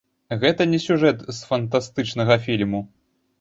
Гэта не сюжэт з фантастычнага фільму.